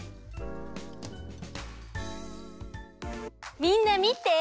みんなみて！